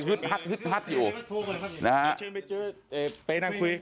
แล้วยังไงคะรู้ตัวไหมคะ